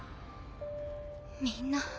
みんな。